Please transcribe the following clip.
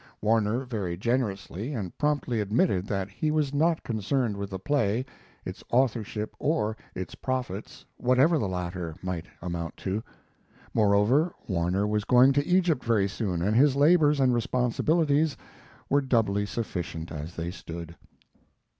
Warner very generously and promptly admitted that he was not concerned with the play, its authorship, or its profits, whatever the latter might amount to. Moreover, Warner was going to Egypt very soon, and his labors and responsibilities were doubly sufficient as they stood.